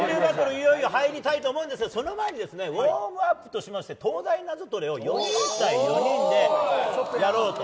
いよいよ入りたいと思うんですがその前にウォームアップとしまして「東大ナゾトレ」を４人対４人でやろうと。